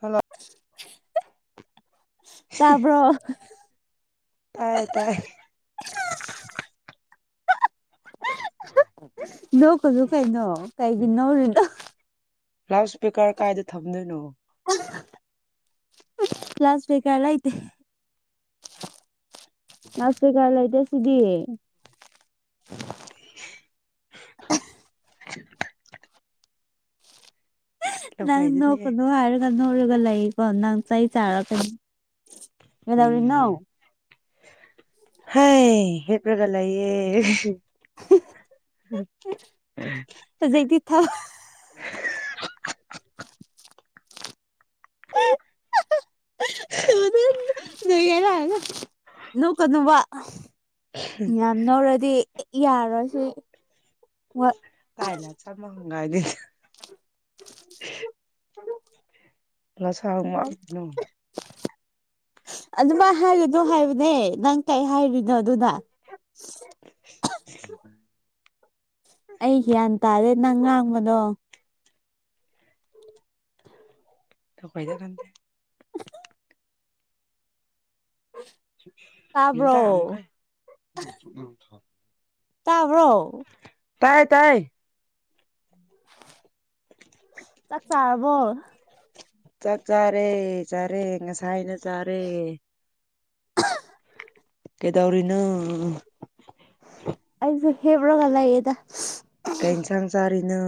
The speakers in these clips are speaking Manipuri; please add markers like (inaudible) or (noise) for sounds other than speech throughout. ꯍꯜꯂꯣ ꯇꯥꯕ꯭ꯔꯣ ꯇꯥꯏ ꯇꯥꯏ ꯅꯣꯛꯀꯅꯨ ꯀꯩꯅꯣ ꯀꯩꯒꯤ ꯅꯣꯛꯔꯤꯅꯣ ꯂꯥꯎꯠ ꯏꯁꯄꯤꯀꯔ ꯀꯥꯏꯗ ꯊꯝꯗꯣꯏꯅꯣ ꯀ꯭ꯂꯥꯁ ꯀ ꯂꯩꯇꯦ (unintelligible) (unintelligible) ꯂꯥꯎꯠ ꯏꯁꯄ꯭ꯤꯛꯀꯥꯔ ꯂꯩꯇꯦ ꯁꯤꯗꯤ ꯎ ꯊ ꯅꯪ ꯂꯝꯈꯩꯗꯅꯦ ꯅꯣꯛꯀꯅꯨ ꯍꯥꯏꯔꯒ ꯅꯣꯛꯔꯒ ꯂꯩꯀꯣ ꯅꯪ ꯆꯩ ꯆꯥꯔꯛꯀꯅꯤ ꯀꯩꯗꯧꯔꯤ ꯅꯣ ꯍꯥꯏ ꯍꯤꯞꯂꯒꯥ ꯂꯩꯌꯦ ꯍꯍ ꯍ ꯍꯧꯖꯤꯛꯇꯤ ꯊꯕꯛ ꯍ ꯍꯍ ꯍꯥꯍꯥꯍꯥ (inaudible) ꯂꯣꯏ ꯂꯥꯛ ꯅꯣꯛ ꯀꯅꯨꯕ ꯌꯥꯝ ꯅꯣꯀꯔꯥꯗꯤ ꯌꯥꯔꯣꯏꯁꯤ ꯇꯥꯏꯅ ꯆ ꯃꯒꯥꯏ ꯂꯩ ꯂ ꯁꯥ ꯃꯥꯛ ꯅꯨꯡ ꯑꯗꯨꯃꯥꯏ ꯍꯥꯏꯒꯥꯅꯣ ꯍꯥꯏꯕꯅꯦ ꯅꯪ ꯀꯔꯤ ꯍꯥꯏꯔꯤꯅꯣ ꯑꯗꯨꯅ ꯎ ꯑꯩ ꯒ꯭ꯌꯥꯟ ꯇꯥꯔꯦ ꯅꯪ ꯉꯥꯡꯕꯗꯣ ꯐꯥꯏꯗ ꯈꯪꯗꯦ ꯌꯦ ꯇꯥꯕ꯭ꯔꯣ ꯇ ꯑꯃ ꯀꯥꯏ ꯇꯥꯕ꯭ꯔꯣ ꯇꯥꯏ ꯇꯥꯏ ꯆꯥꯛ ꯆꯥꯔꯕꯣ ꯆꯥꯛ ꯆꯥꯔꯦ ꯆꯥꯔꯦ ꯉꯁꯥꯏꯅ ꯆꯥꯔꯦ ꯀꯩ ꯗꯧꯔꯤꯅꯣ ꯑꯩꯁꯨ ꯍꯤꯞꯔꯒꯥ ꯂꯩꯌꯦꯗꯥ ꯀꯩ ꯍꯦꯟꯁꯥꯡ ꯆꯥꯔꯤꯅꯣ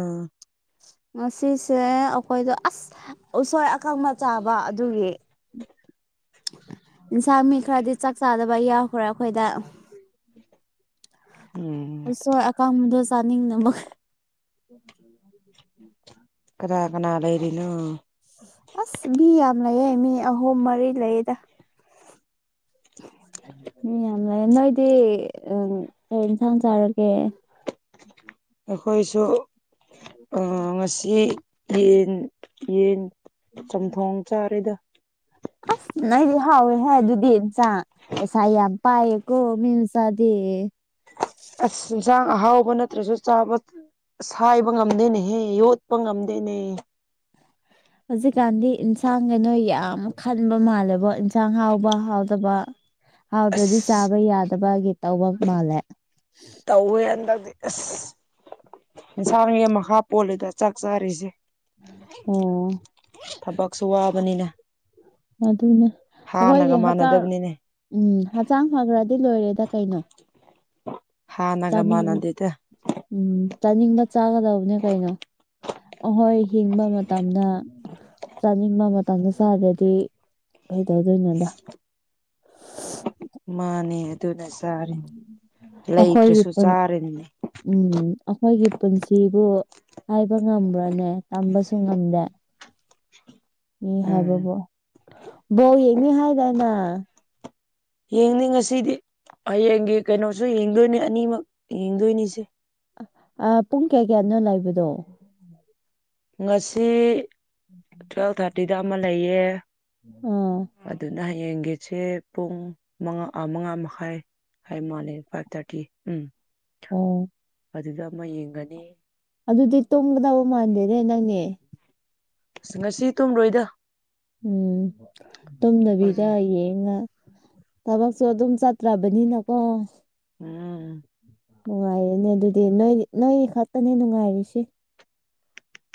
ꯉꯁꯤꯁꯦ ꯑꯩꯈꯣꯏꯗꯣ ꯑꯁ ꯎꯁꯣꯏ ꯑꯀꯪꯕ ꯆꯥꯕ ꯑꯗꯨꯒꯤ (inaudible) ꯏꯟꯁꯥꯡ ꯃꯤ ꯈꯔꯗꯤ ꯆꯥꯛ ꯆꯥꯗꯕ ꯌꯥꯎꯈ꯭ꯔꯦ ꯑꯩꯈꯣꯏꯗ ꯎꯝ ꯑꯁꯣꯏ ꯑꯀꯥꯕꯗꯣ ꯆꯥꯅꯤꯡꯅ ꯑꯃ ꯀꯅꯥ ꯀꯅꯥ ꯂꯩꯔꯤꯅꯣ ꯑꯁ ꯃꯤ ꯌꯥꯝ ꯂꯩꯌꯦ ꯃꯤ ꯑꯍꯨꯝ ꯃꯔꯤ ꯂꯩꯗ (unintelligible) ꯎꯝ ꯌꯥꯝ ꯂꯩꯔꯦ ꯅꯣꯏꯗꯤ ꯎ ꯀꯔꯤ ꯏꯟꯁꯥꯡ ꯆꯥꯔꯒꯦ ꯑꯩꯈꯣꯏꯁꯨ ꯉꯁꯤ ꯌꯦꯟ ꯌꯦꯟ ꯆꯝꯊꯣꯡ ꯆꯥꯔꯤꯗ ꯑꯁ ꯑꯩꯗꯤ ꯍꯥꯎꯋꯦ ꯍꯥꯏ ꯑꯗꯨꯗꯤ ꯏꯝꯆꯥ ꯄꯩꯁꯥ ꯌꯥꯝ ꯄꯥꯏꯌꯦꯀꯣ ꯃꯤ ꯃꯆꯥꯗꯤ (inaudible) ꯑꯁ ꯏꯟꯁꯥꯡ ꯑꯍꯥꯎꯕ ꯅꯠꯇ꯭ꯔꯁꯨ ꯆꯥꯕ ꯁꯥꯏꯕ ꯉꯝꯗꯦꯅꯦ ꯍꯦ ꯌꯣꯠꯄ ꯉꯝꯗꯦ ꯀꯅꯦ ꯍꯧꯖꯤꯛꯀꯥꯟꯗꯤ ꯏꯟꯁꯥꯡ ꯀꯩꯅꯣ ꯌꯥꯝ ꯈꯟꯕ ꯃꯥꯜꯂꯦꯕꯣ ꯏꯟꯁꯥꯡ ꯍꯥꯎꯕ ꯍꯥꯎꯗꯕ ꯍꯥꯎꯗ꯭ꯔꯗꯤ ꯑꯁ ꯆꯥꯕ ꯌꯥꯗꯕꯒꯤ ꯇꯧꯕ ꯃꯥꯜꯂꯦ ꯇꯧꯋꯦ ꯍꯟꯗꯛ ꯑꯁ ꯑꯦꯟꯁꯥꯡꯒꯤ ꯃꯈꯥ ꯄꯣꯜꯂꯦꯗꯥ ꯆꯥꯛ ꯆꯥꯔꯤꯁꯦ ꯑꯣ ꯊꯕꯛꯁꯨ ꯋꯥꯕꯅꯤꯅ ꯑꯗꯨꯅꯦ ꯍꯥꯟꯅꯒ ꯑꯩꯈꯣꯏꯒꯤ ꯍꯛꯆꯥꯡ ꯃꯥꯟꯅꯗꯕꯅꯤꯅꯦ ꯎꯝ ꯍꯛꯆꯥꯡ ꯐꯈ꯭ꯔ ꯗꯤ ꯂꯣꯏꯔꯦꯗ ꯀꯩꯅꯣ ꯍꯥꯟꯅꯒ ꯆꯥꯅꯤꯡ ꯃꯥꯟꯅꯗꯦꯗ ꯎꯝ ꯆꯥꯅꯤꯡꯕ ꯆꯥꯒꯗꯕꯅꯦ ꯀꯩꯅꯣ ꯑꯍꯣꯏ ꯍꯤꯡꯕ ꯃꯇꯝꯗ ꯆꯥꯅꯤꯡꯕ ꯃꯇꯝꯗ ꯁꯥꯥꯗꯗꯤ ꯀꯩꯗꯧꯗꯣꯏꯅꯣꯗ ꯃꯥꯅꯦ ꯑꯗꯨꯅ ꯆꯥꯔꯤꯅꯤ ꯑꯩꯈꯣꯏꯒꯤ ꯂꯩꯇ꯭ꯔꯁꯨ ꯆꯥꯔꯤꯅꯤ ꯎꯝ ꯑꯩꯈꯣꯏꯒꯤ ꯄꯨꯟꯁꯤꯕꯨ ꯍꯥꯏꯕ ꯉꯝꯕ꯭ꯔꯅꯦ ꯇꯝꯕꯁꯨ ꯉꯝꯗꯦ ꯏ ꯎꯝ ꯍꯥꯏꯕꯕꯣ ꯕꯣ ꯌꯦꯡꯅꯤ ꯍꯥꯏꯗꯥꯏꯅ ꯌꯦꯡꯅꯤ ꯉꯁꯤꯗꯤ ꯍꯌꯦꯡꯒꯤ ꯀꯩꯅꯣꯁꯨ ꯌꯦꯡꯗꯣꯏꯅꯤ ꯑꯅꯤꯃꯛ ꯌꯦꯡꯗꯣꯏꯅꯤꯁꯦ ꯑ ꯄꯨꯡ ꯀꯌꯥ ꯀꯌꯥꯅꯣ ꯂꯥꯛꯕꯗꯣ ꯉꯁꯤ ꯎꯝꯝ ꯑꯗꯨꯏꯗ ꯑꯃ ꯂꯩꯌꯦ ꯑꯥ ꯌꯦꯡꯒꯁꯦ ꯄꯨꯡ ꯃꯉꯥ ꯃꯉꯥ ꯃꯈꯥꯏ ꯐꯥꯏꯚ ꯃꯥꯅꯤꯡ ꯐꯥꯏꯚ ꯊꯥꯔꯇꯤ ꯎꯝ ꯎꯝ ꯑꯗꯨꯗ ꯑꯃ ꯌꯦꯡꯒꯅꯤ ꯑꯗꯨꯗꯤ ꯇꯨꯝꯒꯗꯕ ꯃꯥꯟꯗꯦꯔꯦ ꯅꯪꯅꯦ ꯑꯁ ꯉꯁꯤ ꯇꯨꯝꯔꯣꯏꯗ ꯎꯝ ꯇꯨꯝꯗꯕꯤꯗ ꯐꯖꯩ ꯌꯦꯡꯉ ꯊꯕꯛꯁꯨ ꯑꯗꯨꯝ ꯆꯠꯇ꯭ꯔꯕꯅꯤꯅꯀꯣ ꯎꯝ ꯅꯨꯡꯉꯥꯏꯔꯅꯦ ꯑꯗꯨꯗꯤ ꯅꯣꯏ ꯅꯣꯏꯒꯤ ꯈꯛꯇꯅꯦ ꯅꯨꯡꯉꯥꯏꯔꯤꯁꯤ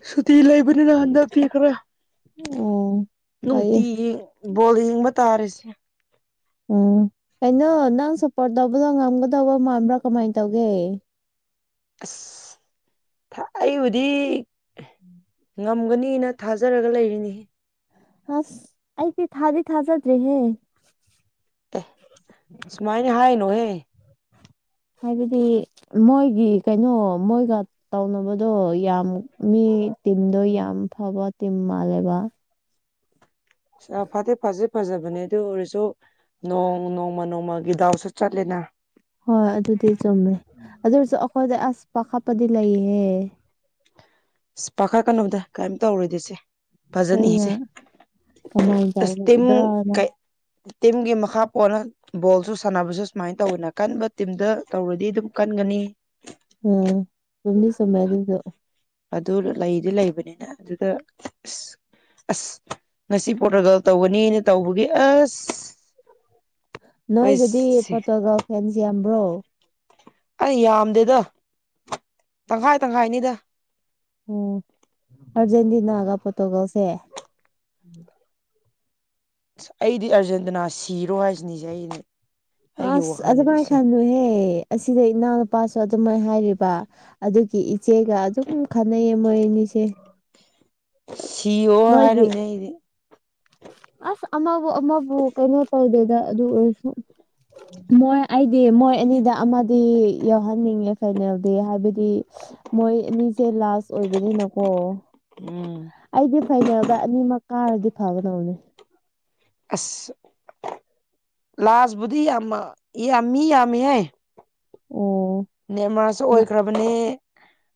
ꯁꯨꯇꯤ ꯂꯩꯕꯅꯤꯅ ꯍꯟꯗꯛꯇꯤ ꯈꯔ ꯑꯣ ꯐꯩꯌꯦ ꯅꯨꯡꯇꯤ ꯣꯜ ꯌꯦꯡꯕ ꯇꯥꯔꯤꯁꯦ ꯎꯝ ꯀꯩꯅꯣ ꯅꯪ ꯁꯞꯄꯣꯔꯠ ꯇꯧꯕꯗꯣ ꯉꯝꯒꯗꯧꯕ ꯃꯥꯟꯕ꯭ꯔꯥ ꯀꯃꯥꯏꯅ ꯇꯧꯒꯦ ꯑꯁ ꯑꯩꯕꯨꯗꯤ ꯎꯝ ꯉꯝꯒꯅꯤꯅ ꯊꯥꯖꯔꯒ ꯂꯩꯔꯤꯅꯤ ꯍꯁ ꯑꯗꯤ ꯊ ꯍꯗꯤ ꯊ ꯍꯥꯖꯗ꯭ꯔꯔꯤ ꯍꯦ ꯁꯨꯃꯥꯏꯅꯦ ꯍꯥꯏ ꯅꯣꯍꯦ ꯍꯥꯏꯕꯗꯤ ꯃꯣꯏꯒꯤ ꯀꯩꯅꯣ ꯃꯣꯏꯒ ꯇꯧꯅꯕꯗꯣ ꯌꯥꯝ ꯃꯤ ꯇꯤꯤꯟꯗꯣ ꯌꯥꯝ ꯐꯕ ꯇꯤꯝ ꯃꯥꯜꯂꯦꯕ ꯐꯇꯦ ꯐꯖꯦ ꯐꯖꯕꯅꯦ ꯑꯗꯨ ꯑꯣꯏꯔꯁꯨ ꯅꯣꯡ ꯅꯣꯡꯃ ꯅꯣꯡꯃꯒꯤ ꯗꯥꯎꯁꯨ ꯆꯠꯂꯦꯅ ꯍꯣꯏ ꯑꯗꯨꯗꯤ ꯆꯨꯝꯃꯦ ꯑꯗꯨ ꯑꯣꯏꯔꯁꯨ ꯑꯩꯈꯣꯏꯗ ꯑꯁ ꯄ ꯈꯥꯞꯄꯗꯤ ꯂꯩꯍꯦ ꯄꯥꯈꯠ ꯀꯩꯅꯣꯗ ꯀꯩꯝ ꯇꯧꯔꯨꯗꯤꯁꯦ ꯐꯖꯅꯤ ꯑꯩꯅ ꯏꯁꯦ ꯀꯃꯥꯏꯅ ꯑꯁꯇꯝ ꯇꯧꯗ꯭ꯔꯅ ꯀꯩ ꯇꯤꯝꯒꯤ ꯃꯈꯥ ꯄꯣꯟꯅ ꯕꯣꯜꯁꯨ ꯁꯥꯟꯅꯕꯁꯨ ꯁꯨꯃꯥꯏꯅ ꯇꯧꯋꯦꯅ ꯀꯟꯕ ꯇꯤꯝꯗ ꯇꯧꯔꯗꯤ ꯑꯗꯨꯝ ꯀꯟꯒꯅꯤ ꯁꯝꯅꯤ ꯁꯃꯥꯏꯗꯁꯨ ꯑꯗꯨ ꯂꯩꯗꯤ ꯂꯩꯕꯅꯤꯅ ꯑꯗꯨꯗ ꯑꯁ ꯑꯁ ꯉꯁꯤ ꯄꯣꯔꯇꯣꯒꯥꯜ ꯇꯧꯒꯅꯤꯅ ꯇꯧꯕꯒꯤ ꯑꯁ ꯑꯩ ꯅꯣꯏꯗꯗꯤ ꯄꯣꯇꯒꯜ ꯐꯦꯟꯁ ꯌꯥꯝꯕ꯭ꯔꯣ ꯑꯩ ꯌꯥꯝꯗꯦꯗ ꯇꯪꯈꯥꯏ ꯇꯪꯈꯥꯏꯅꯤꯗ ꯎꯝ ꯑꯔꯖꯦꯟꯇꯤꯅꯥꯒ ꯄꯣꯔꯇꯨꯒꯜꯁꯦ ꯑꯁ ꯑꯩꯗꯤ ꯑꯥꯔꯖꯦꯟꯇꯤꯅꯥ ꯁꯤꯔꯣ ꯍꯥꯏꯁꯤꯅꯦ ꯑꯩꯗꯤ ꯑꯩꯒꯤ ꯑꯁ ꯑꯗꯨ ꯋꯥꯈꯜꯗꯗꯤ ꯃꯥꯅꯦ ꯁꯦ ꯈꯥꯟ ꯍꯦ ꯍ ꯁꯤꯗ ꯏꯅ ꯄꯥꯁ ꯑꯗꯨꯝꯥꯏꯅ ꯍꯥꯏꯔꯤꯕ ꯑꯗꯨꯒꯤ ꯏꯆꯦꯒ ꯑꯗꯨꯝ ꯈꯟꯅꯩꯌꯦ ꯃꯣꯏ ꯑꯅꯤꯁꯦ ꯁꯤ ꯑꯣ ꯃꯣꯏꯒꯤ ꯍꯥꯏꯔꯝꯅꯦ ꯑꯩꯗꯤ ꯑꯁ ꯑꯃꯕꯨ ꯑꯃꯕꯨ ꯀꯩꯅꯣ ꯇꯧꯗꯦꯗ ꯑꯗꯨ ꯑꯣꯏꯔꯁꯨ ꯃꯣꯏ ꯑꯩꯗꯤ ꯃꯣꯏ ꯑꯅꯤꯗ ꯑꯃꯗꯤ ꯌꯥꯎꯍꯟꯅꯤꯡꯉꯦ ꯐꯥꯏꯅꯦꯜꯗꯤ ꯍꯥꯏꯕꯗꯤ ꯃꯣꯏ ꯃꯤꯁꯦ ꯂꯥꯁ ꯑꯣꯏꯕꯅꯤꯅꯀꯣ ꯎꯝ ꯑꯩꯗꯤ ꯐꯥꯏꯅꯦꯜꯗ ꯑꯅꯤꯃꯛ ꯀꯥꯔꯗꯤ ꯐꯒꯅꯧꯅꯦ ꯑꯁ ꯂꯥꯁꯕꯨꯗꯤ ꯌꯥꯝ ꯌꯥꯝꯃꯤ ꯌꯥꯝꯃꯤꯍꯦ ꯑꯣ ꯅꯦꯃꯥꯔꯁꯨ ꯑꯣꯏꯈ꯭ꯔꯕꯅꯦ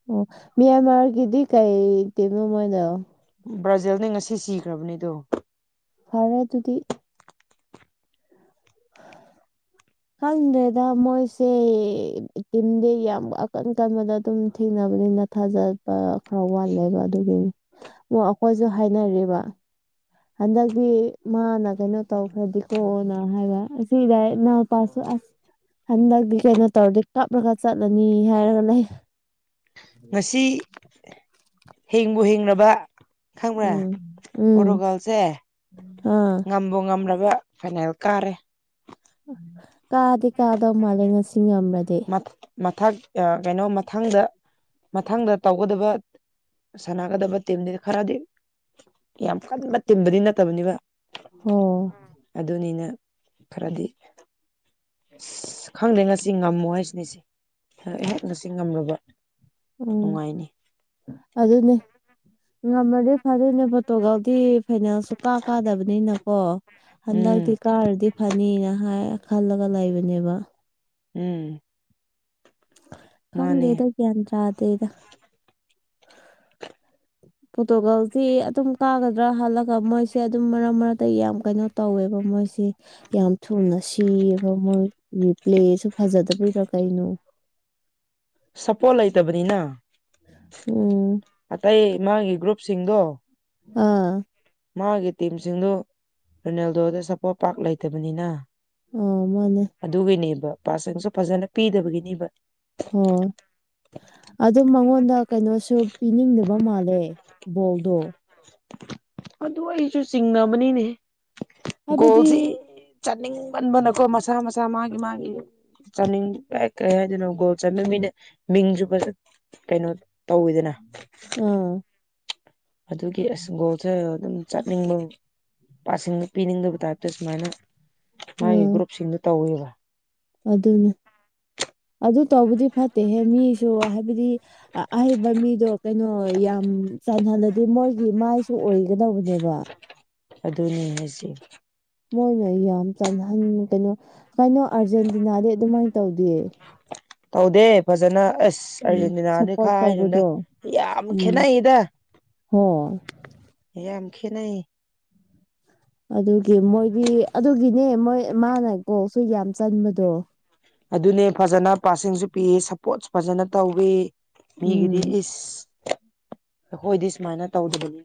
ꯑꯣ ꯃꯌꯥꯃꯥ ꯀꯗꯤ ꯀꯥꯏ ꯇꯃ ꯃꯗ ꯕ꯭ꯔꯥꯖꯤꯜꯅꯤ ꯉꯁꯤ ꯁꯤꯈ꯭ꯔꯕꯅꯤꯗꯣ ꯐꯔꯦ ꯑꯗꯨꯗꯤ (inaudible) ꯈꯪꯗ꯭ꯔꯦꯗ ꯃꯣꯏꯁꯦ ꯇꯤꯝꯗꯤ ꯌꯥꯝ ꯑꯀꯟ ꯀꯟꯕꯗ ꯑꯗꯨꯝ ꯊꯦꯡꯅꯕꯅꯤꯅ ꯊꯥꯖꯕ ꯈꯔ ꯋꯥꯠꯂꯦꯒ ꯑꯗꯨꯒꯤꯅꯤ ꯑꯣ ꯑꯩꯈꯣꯏꯁꯨ ꯍꯥꯏꯅꯔꯤꯕ ꯍꯟꯗꯛꯇꯤ ꯃꯥꯅ ꯀꯩꯅꯣ ꯇꯧꯈ꯭ꯔꯗꯤꯀꯣꯅ ꯍꯥꯏꯕ ꯑꯁꯤꯗ ꯏꯎꯄꯥ ꯑꯁ ꯍꯟꯗꯛꯇꯤ ꯀꯩꯅꯣ ꯇꯧꯔꯗꯤ ꯀꯥꯞꯂꯒ ꯆꯠꯂꯅꯤ ꯍꯥꯏꯔꯒ ꯂꯩ ꯎꯝ ꯉꯁꯤ ꯍꯤꯡꯕꯨ ꯍꯤꯡꯅꯕ ꯈꯪꯕ꯭ꯔꯥ ꯎꯝ ꯎꯝ ꯄꯣꯔꯇꯣꯒꯥꯜꯁꯦ ꯑꯥ ꯉꯝꯕꯣ ꯉꯂ ꯏ ꯐꯩꯅꯜ ꯀꯥꯔꯦ ꯀꯥꯗꯦ ꯀꯥꯗꯧ ꯃꯥꯜꯂꯦ ꯉꯁꯤ ꯉꯃꯗꯤ ꯃꯊꯛ ꯀꯩꯅꯣ ꯃꯊꯪꯗ ꯃꯊꯪꯗ ꯇꯧꯒꯗꯕ ꯁꯥꯟꯅꯒꯗꯕ ꯇꯤꯝꯅꯤ ꯈꯔꯗꯤ ꯌꯥꯝ ꯀꯟꯕ ꯇꯤꯕꯨꯗꯤ ꯅꯠꯇꯕꯅꯤꯕ ꯍꯣ ꯑꯗꯨꯅꯤꯅ ꯈꯔꯗꯤ ꯈꯪꯗ꯭ꯔꯦ ꯉꯁꯤ ꯉꯝꯃꯣ ꯍꯥꯏꯁꯤꯅꯤꯁꯦꯍꯦꯛ ꯉꯁꯤ ꯉꯝꯂꯕ ꯎꯝ ꯅꯨꯡꯉꯥꯏꯅꯤ ꯑꯗꯨ ꯑꯗꯨꯅꯦ ꯉꯝꯃꯗꯤ ꯐꯗꯣꯏꯅꯦ ꯐꯣꯇꯣꯒꯗꯤ ꯐꯥꯏꯅꯥꯜꯁꯨ ꯀꯥ ꯀꯥꯗꯕꯅꯤꯅꯀꯣ ꯎꯝ ꯍꯟꯗꯛꯇꯤ ꯀꯥꯔꯗꯤ ꯐꯅꯤꯅ ꯍꯥꯏ ꯈꯜꯂꯒ ꯂꯩꯕꯅꯦꯕ ꯎꯝ ꯃꯥꯅꯦ ꯈꯪꯗꯦꯗ ꯒ꯭ꯌꯥꯟ ꯇ꯭ꯔꯥꯗꯩꯗ ꯄꯣꯇꯣꯒꯜꯁꯤ ꯑꯗꯨꯝ ꯀꯥꯒꯗ꯭ꯔꯥ ꯍꯥꯜꯂꯒ ꯃꯣꯏꯁꯦ ꯑꯗꯨꯝ ꯃꯔꯛ ꯃꯔꯛꯇ ꯌꯥꯝ ꯀꯩꯅꯣ ꯇꯧꯋꯦꯕ ꯃꯣꯏꯁꯤꯦ ꯌꯥꯝ ꯊꯨꯅ ꯁꯤꯕ ꯃꯣꯏ ꯄ꯭ꯂꯦꯁꯨ ꯐꯖꯗꯕꯤꯔꯥ ꯀꯩꯅꯣ ꯁꯄꯣꯔꯠ ꯂꯩꯇꯕꯅꯤꯅ ꯎꯝ ꯑꯇꯩ ꯃꯥꯒꯤ ꯒ꯭ꯔꯨꯞ ꯁꯤꯁꯤꯡꯒ ꯑꯥ ꯃꯥꯒꯤ ꯇꯤꯝꯁꯤꯡꯗꯨ ꯔꯣꯅꯥꯜꯗꯣꯗ ꯁꯞꯄꯣꯔꯠ ꯄꯥꯛ ꯂꯩꯇꯕꯅꯤꯅ ꯑ ꯃꯥꯅꯦ ꯄꯥꯁꯤꯡꯁꯨ ꯐꯖꯅ ꯄꯤꯗꯕꯒꯤꯅꯦꯕ ꯍ ꯑꯗꯨꯗ ꯃꯉꯣꯟ ꯗ ꯀꯩꯅꯣꯁꯨ ꯄꯤꯅꯤꯡꯗꯕ ꯃꯥꯜꯂꯦ ꯕꯣꯛꯗꯣ ꯑꯗꯨ ꯑꯩꯁꯨ ꯆꯤꯡꯉꯅꯕꯅꯤꯅꯦ ꯍꯥꯏꯕꯗꯤ ꯆꯥꯅꯤꯡꯃꯟꯕꯅꯀꯣ ꯃꯁꯥ ꯃꯁꯥ ꯃꯥꯒꯤ ꯃꯥꯒꯤ ꯆꯥꯅꯤꯡ ꯀꯩ ꯍꯥꯏꯗꯣꯏꯅꯣ ꯒꯣꯜ ꯆꯃꯤ ꯃꯤꯅ ꯃꯤꯡꯁꯨ ꯐꯁ ꯀꯩꯅꯣ ꯇꯧꯋꯤꯗꯅ ꯑꯥ ꯑꯗꯨꯒꯤꯪꯒꯣꯁ ꯑꯗꯨꯝ ꯆꯠꯅꯤꯡꯕ ꯄꯥꯁꯤꯡꯗ ꯄꯤꯅꯤꯡꯗꯕ ꯇꯥꯏꯞꯇ ꯁꯨꯃꯥꯏꯅ ꯃꯥꯒꯤ ꯎꯝ ꯒ꯭ꯔꯨꯞꯁꯤꯡꯗꯨ ꯇꯧꯋꯦꯕ ꯑꯗꯨꯅꯦ ꯑꯗꯨ ꯇꯧꯕꯗꯤ ꯐꯠꯇꯦꯍꯦ ꯃꯤꯁꯨ ꯍꯥꯏꯕꯗꯤ ꯑꯍꯩꯕ ꯃꯤꯗꯣ ꯀꯩꯅꯣ ꯌꯥꯝ ꯆꯥꯟꯍꯜꯂꯗꯤꯦ ꯃꯣꯏꯒꯤ ꯃꯥꯏꯁꯨ ꯑꯣꯏꯒꯗ ꯇꯧꯕꯅꯦꯕ ꯑꯗꯨꯅꯤ ꯍꯥꯏꯁꯦ ꯃꯣꯏꯅ ꯌꯥꯝ ꯆꯜꯍꯟ ꯀꯩꯅꯣ ꯀꯩꯅꯣ ꯑꯥꯔꯖꯦꯟꯇꯤꯅꯥꯗꯤ ꯑꯗꯨꯃꯥꯏꯅ ꯇꯧꯗꯦ ꯍꯧꯗꯦ ꯐꯖꯅ ꯑꯁ ꯎꯝ ꯑꯥꯔꯖꯦꯟꯇꯤꯅꯥꯅꯦ ꯁꯞꯄꯣꯔꯠ ꯈꯥꯏ ꯅꯣꯗ ꯇꯧꯕꯗꯣ ꯌꯥꯝ ꯎꯝ ꯈꯦꯠꯅꯩꯗ ꯍꯣꯏ ꯦꯅ ꯑꯗꯨꯒꯤ ꯃꯣꯏꯗꯤ ꯑꯗꯨꯒꯤꯅꯦ ꯃꯣꯏ ꯃꯥꯅ ꯀꯣꯛ ꯁꯨ ꯌꯥꯝ ꯆꯟꯕꯗꯣ ꯑꯗꯨꯅꯦ ꯐꯖꯅ ꯄꯥꯔꯁꯤꯡꯁꯨ ꯄꯤ ꯁꯞꯄꯣꯔꯠꯁꯨ ꯐꯖꯅ ꯇꯧꯋ ꯃꯤꯒꯤꯗꯤ ꯎꯝ ꯏꯁ ꯑꯩꯈꯣꯏꯗꯤ ꯁꯨꯃꯥꯏꯅ ꯇꯧꯗꯕꯅꯤ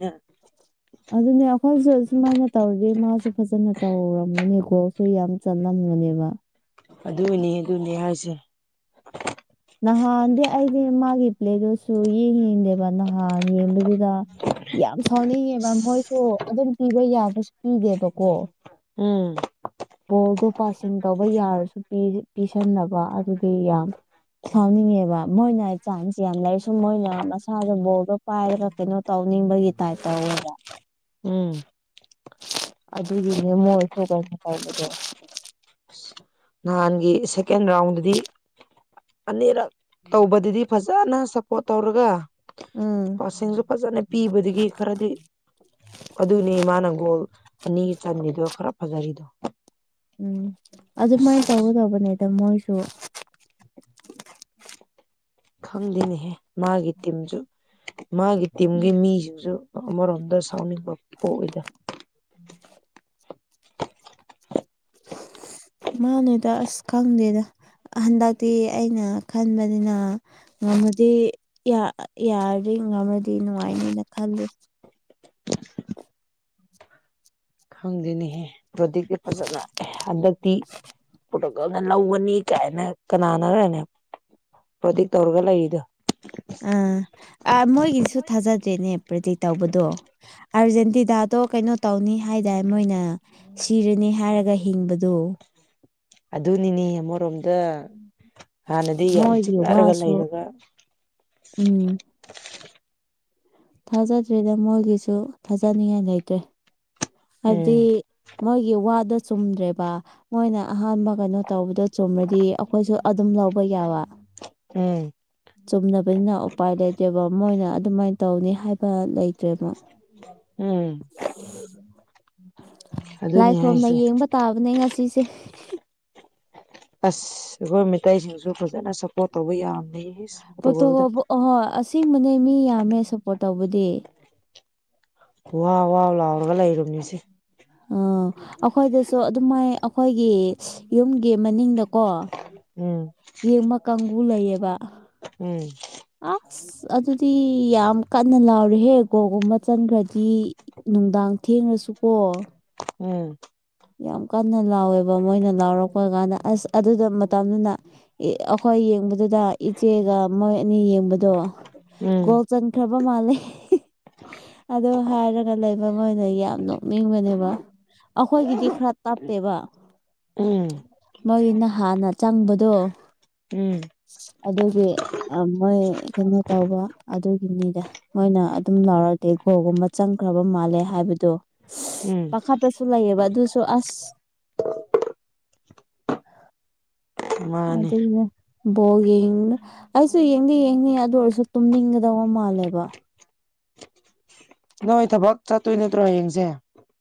ꯑꯗꯨꯅꯦ ꯑꯩꯈꯣꯏꯁꯨ ꯁꯨꯃꯥꯏꯅ ꯇꯧꯔꯗꯤ ꯃꯥꯁꯨ ꯐꯖꯅ ꯇꯧꯔꯝꯝꯕꯅꯦ ꯒꯣꯜꯁꯨ ꯌꯥꯝ ꯆꯜꯂꯝꯂꯅꯦꯕ ꯑꯗꯨꯏꯅꯤ ꯑꯗꯨꯅꯤ ꯍꯥꯏꯁꯦ ꯅꯍꯥꯟꯗꯤ ꯑꯩꯗꯤ ꯃꯥꯒꯤ ꯄ꯭ꯂꯦꯗꯨꯁꯨ ꯌꯦꯡ ꯌꯦꯡꯗꯦꯕ ꯅꯍꯥꯟ ꯌꯦꯡꯕꯗꯨꯗ ꯌꯥꯝ ꯁꯥꯎꯅꯤꯡꯉꯦꯕꯦꯝ ꯍꯣꯏꯁꯨ ꯑꯗꯨꯝ ꯄꯤꯕ ꯌꯥꯕꯁꯨ ꯄꯤꯗꯦꯕꯀꯣ ꯎꯝ ꯕꯣꯜꯗꯣ ꯄꯥꯁꯤꯡ ꯇꯧꯕ ꯌꯥꯔꯁꯨ ꯄꯤꯁꯟꯅꯕ ꯑꯗꯨꯗꯤ ꯌꯥꯝ ꯁꯥꯎꯅꯤꯡꯉꯦꯕ ꯃꯣꯏꯅ ꯆꯥꯟꯁ ꯌꯥꯝ ꯂꯩ ꯁꯨꯝ ꯃꯣꯏꯅ ꯃꯁꯥꯗ ꯕꯣꯜꯗꯣ ꯄꯥꯏꯔꯒ ꯀꯩꯅꯣ ꯇꯧ ꯅꯤꯡꯕꯒꯤꯠꯇꯥꯏ ꯇ ꯍꯒ ꯎꯝ ꯑꯗꯨꯒꯤꯅꯦ ꯃꯣꯏꯁꯨ ꯀꯥꯏꯥꯏꯕꯗ ꯅꯍꯥꯟꯒꯤ ꯁꯦꯀꯦꯟ ꯔꯥꯎꯟꯗꯗꯤ ꯑꯅꯤꯔꯛ ꯇꯧꯕꯗꯗꯤ ꯐ ꯐꯖꯅ ꯁꯞꯄꯣꯔꯠ ꯇꯧꯔꯒ ꯎꯝ ꯄꯁꯤꯡꯁꯨ ꯐꯖꯅ ꯄꯤꯕꯗꯒꯤ ꯈꯔꯗꯤ ꯑꯗꯨꯅꯤ ꯃꯥꯅ ꯒꯣꯜ ꯑꯅꯤ ꯆꯟꯕꯤꯗꯣ ꯈꯔ ꯐꯖꯔꯤꯗꯣ ꯎꯝ ꯑꯗꯨꯃꯥꯏꯅ ꯑꯁ ꯇꯧꯒꯗꯧꯕꯅꯦꯗ ꯃꯣꯏꯁꯨ ꯈꯪꯗꯦꯅꯦꯍꯦ ꯃꯥꯒꯤ ꯇꯤꯝꯁꯨ ꯃꯥꯒꯤ ꯇꯤꯝꯒꯤ ꯃꯤꯁꯤꯡꯁꯨ ꯑꯃꯔꯣꯝꯗ ꯁꯥꯎꯅꯤꯡꯕ ꯄꯣꯛꯏꯗ ꯃꯥꯅꯦꯗ ꯑꯁ ꯈꯪꯗꯦꯗ ꯍꯟꯗꯛꯇꯤ ꯑꯩꯅ ꯈꯟꯕꯅꯤꯅ ꯌꯥꯔ ꯉꯃꯗꯤ ꯅꯨꯡꯉꯥꯏꯅꯦꯅ ꯈꯜꯂꯤ ꯈꯪꯗꯦꯅꯤꯍꯦ ꯄ꯭ꯔꯗꯤꯛꯇꯤ ꯐꯖꯅ ꯍꯟꯗꯛꯇꯤ ꯅ ꯂꯧꯒꯅꯤ ꯀꯥꯏꯅ ꯀꯅꯥꯅꯔ꯭ꯔꯅꯦ ꯄ꯭ꯔꯣꯗꯤꯛ ꯇꯧꯔꯒ ꯂꯩꯔꯤꯗꯣ ꯑꯥ ꯑ ꯃꯣꯏꯒꯤꯗꯤꯁꯨ ꯊꯥꯖꯗ꯭ꯔꯦꯅꯦ ꯄ꯭ꯔꯤꯗꯤꯛ ꯇꯧꯕꯗꯣ ꯑꯥꯔꯖꯦꯟꯇꯤꯅꯥꯗꯣ ꯀꯩꯅꯣ ꯇꯧꯅꯤ ꯍꯥꯏꯗꯥ ꯃꯣꯏꯅ ꯁꯤꯔꯅꯤ ꯍꯥꯏꯔꯒ ꯍꯤꯡꯕꯗ ꯑꯗꯨꯅꯤꯅꯦ ꯑꯃꯔꯣꯝꯗ ꯍꯥꯟꯅꯗꯤ ꯌꯥꯝ ꯃꯣꯏꯒꯤ ꯆꯤꯛꯅꯔꯒ ꯋꯥꯁꯨ ꯂꯩꯔꯒ ꯎꯝ (inaudible) ꯊꯥꯖꯗ꯭ꯔꯤꯗ ꯃꯣꯏꯒꯤꯁꯨ ꯊꯥꯖꯅꯤꯡꯉꯥꯏ ꯂꯩꯇ꯭ꯔꯦ ꯎꯝ ꯍꯥꯏꯕꯗꯤ ꯃꯣꯏꯒꯤ ꯋꯥꯗꯣ ꯆꯨꯝꯗ꯭ꯔꯦꯕ ꯃꯣꯏꯅ ꯑꯍꯥꯟꯕ ꯀꯩꯅꯣ ꯇꯧꯕꯗꯣ ꯆꯨꯝꯔꯗꯤ ꯑꯩꯈꯣꯏꯁꯨ ꯑꯗꯨꯝ ꯂꯧꯕ ꯌꯥꯕ ꯎꯝ ꯆꯨꯝꯅꯕꯅꯤꯅ ꯎꯄꯥꯏ ꯂꯩꯇꯦꯕ ꯃꯣꯏꯅ ꯑꯗꯨꯃꯥꯏꯅ ꯇꯧꯅꯤ ꯍꯥꯏꯕ ꯂꯩ ꯆꯦꯃ ꯎꯝ ꯂꯥꯏ ꯑꯗꯨꯅꯤ ꯈꯨꯔꯨꯝꯝꯅ ꯍꯥꯏꯁꯦ ꯌꯦꯡꯕ ꯇꯥꯕꯅꯦ ꯉꯁꯤꯁꯦ ꯑꯁ ꯑꯩꯈꯣꯏ ꯃꯩꯇꯩꯁꯤꯡꯁꯨ ꯐꯖꯅ ꯁꯞꯄꯣꯔꯠ ꯇꯧꯕ ꯌꯥꯝꯃꯤ ꯄꯣꯠꯇꯣ ꯑꯍ ꯑꯁꯦꯡꯕꯅꯦ ꯃꯤ ꯌꯥꯝꯃꯦ ꯁꯞꯄꯣꯔꯠ ꯇꯧꯕꯗꯤ ꯋꯥ ꯋꯥ ꯂꯥꯎꯔꯒ ꯂꯩꯔꯕꯅꯤ ꯁꯤꯦ ꯑ ꯑꯩꯈꯣꯏꯗꯁꯨ ꯑꯗꯨꯃꯥꯏ ꯑꯩꯈꯣꯏꯒꯤ ꯌꯨꯝꯒꯤ ꯃꯅꯤꯡꯗꯀꯣ ꯎꯝ ꯌꯦꯡꯕ ꯀꯥꯡꯕꯨ ꯂꯩꯌꯦꯕ ꯎꯝ ꯑꯁ ꯑꯗꯨꯗꯤ ꯌꯥꯝ ꯀꯟꯅ ꯂꯥꯎꯔꯦꯍꯦ ꯒꯣꯒꯨꯝꯕ ꯆꯟꯈ꯭ꯔꯗꯤ ꯅꯨꯡꯗꯥꯡ ꯊꯦꯡꯂꯁꯨꯀꯣ ꯎꯝ ꯌꯥꯝ ꯀꯟꯅ ꯂꯥꯎꯋꯦꯕ ꯃꯣꯏꯅ ꯂꯥꯎꯔꯛꯄ ꯀꯥꯟꯗ ꯑꯁ ꯑꯗꯨꯗ ꯃꯇꯝꯗꯨꯅ ꯑꯩꯈꯣꯏ ꯌꯦꯡꯕꯗꯨꯗ ꯏꯆꯦꯒ ꯃꯣꯏ ꯑꯅꯤ ꯌꯦꯡꯕꯗꯣ ꯎꯝ ꯒꯣꯜ ꯆꯟꯈ꯭ꯔꯕ ꯃꯥꯜꯂꯦ ꯑꯗꯨ ꯍꯥꯏꯔꯒ ꯂꯩꯐꯝ ꯃꯣꯏꯅ ꯌꯥꯝ ꯅꯣꯛꯅꯤꯡꯕꯅꯦꯕ ꯑꯩꯈꯣꯏꯒꯤꯗꯤ ꯈꯔ ꯇꯞꯄꯦꯕ ꯎꯝ ꯃꯣꯏꯅ ꯍꯥꯟꯅ ꯆꯪꯕꯗꯣ ꯎꯝ ꯑꯗꯨꯒꯤ ꯃꯣꯏ ꯀꯩꯅꯣ ꯇꯧꯕ ꯑꯗꯨꯒꯤꯅꯤꯗ ꯃꯣꯏꯅ ꯑꯗꯨꯝ ꯂꯥꯎꯔ ꯒꯣꯜ ꯒꯨꯝꯕꯥ ꯆꯪꯈꯔꯥꯕ ꯃꯥꯜꯂꯦ ꯍꯥꯏꯕꯗꯣ ꯎꯝ ꯄꯈꯠꯄꯁꯨ ꯂꯩꯌꯦꯕ ꯑꯗꯨꯁꯨ ꯑꯁ ꯃꯥꯅꯦ ꯑꯗꯨꯅꯦ ꯕꯣꯜ ꯌꯦꯡ ꯑꯩꯁꯨ ꯌꯦꯡꯗꯤ ꯌꯦꯡꯅꯤ ꯑꯗꯨ ꯑꯣꯏꯔꯁꯨ ꯇꯨꯝꯅꯤꯡꯒꯗꯧꯕ ꯃꯥꯜꯂꯦꯕ ꯅꯣꯏ ꯊꯕꯛ ꯆꯠꯇꯣꯏ ꯅꯠꯇ꯭ꯔꯣ ꯍꯌꯦꯡꯁꯦ